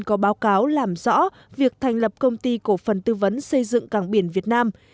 có báo cáo làm rõ việc thành lập công ty cổ phần tư vấn xây dựng cảng biển việt nam